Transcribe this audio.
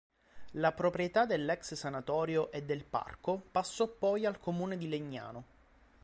La proprietà dell'ex sanatorio e del parco passò poi al comune di Legnano.